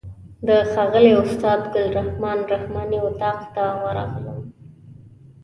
د ښاغلي استاد ګل رحمن رحماني اتاق ته ورغلم.